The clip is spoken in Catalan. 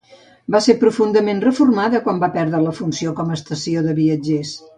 Va ser profundament reformada quan va perdre la funció com a estació de viatgers.